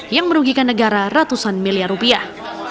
yang merugikan negara ratusan miliar rupiah